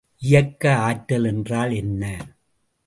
இயக்க ஆற்றல் என்றால் என்ன?